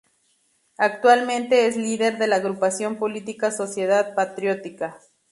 Actualmente es líder de la agrupación política Sociedad Patriótica.